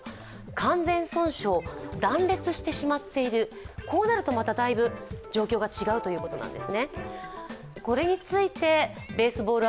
完全損傷、断裂してしまっている、こうなるとだいぶ状況が違うそうです。